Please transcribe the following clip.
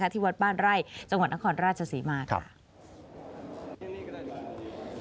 ที่วัดบ้านไร่จังหวัดนครราชศรีมาค่ะ